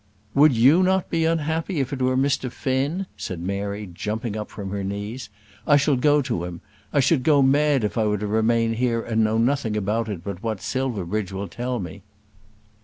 "Would you not be unhappy if it were Mr. Finn?" said Mary, jumping up from her knees. "I shall go to him. I should go mad if I were to remain here and know nothing about it but what Silverbridge will tell me."